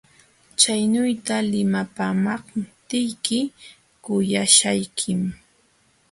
Chaynuyta limapaamaptiyki kuyaśhaykim.